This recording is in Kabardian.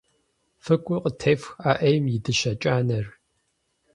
ФыкӀуи къытефх, а Ӏейм и дыщэ кӀанэр!